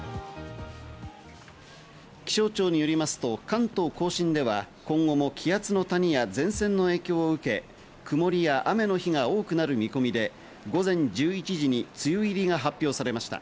気象庁によりますと、関東甲信では今後も気圧の谷や前線の影響を受け、曇りや雨の日が多くなる見込みで、午前１１時に梅雨入りが発表されました。